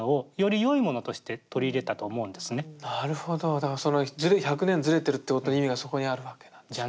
だからその１００年ずれてるってことの意味がそこにあるわけなんですね。